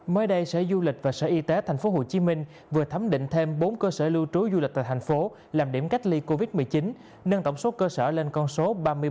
mới đây sở du lịch và sở y tế thành phố hồ chí minh vừa thấm định thêm bốn cơ sở lưu trú du lịch tại thành phố làm điểm cách ly covid một mươi chín nâng tổng số cơ sở lên con số ba mươi ba